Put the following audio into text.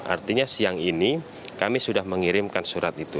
artinya siang ini kami sudah mengirimkan surat itu